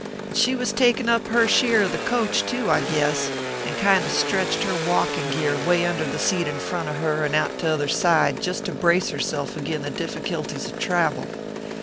And she was takin ORPHEUS C. KERB PAPERS. * 231 up her sheer of the coach, too, I guess ; and kind of si ivtched her walkin geer way under the seat in front of her, and out t other side, just to brace herself agin the diffikilties of travel.